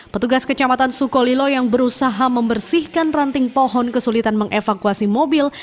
petugas kecamatan sukolilo yang berusaha membersihkan ranting pohon kesulitan mengevakuasi mobil